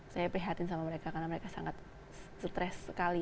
saya prihatin sama mereka karena mereka sangat stres sekali